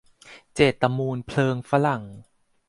เจตมูลเพลิงฝรั่ง